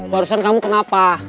barusan kamu kenapa